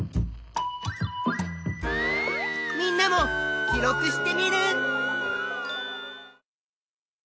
みんなも記録しテミルン！